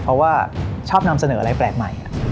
เพราะว่าชอบนำเสนออะไรแปลกใหม่